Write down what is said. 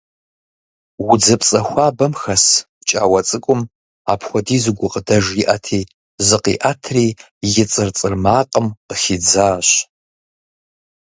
Удзыпцӏэ хуабэм хэс пкӏауэ цӏыкӏум апхуэдизу гукъыдэж иӏэти, зыкъиӏэтри, и цӏыр-цӏыр макъым къыхидзащ.